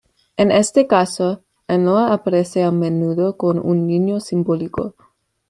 En este caso, Annona aparece a menudo con un niño simbólico.